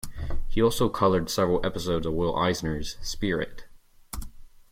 He also colored several episodes of Will Eisner's "Spirit".